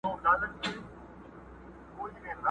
له بارانه دي ولاړ کړمه ناوې ته،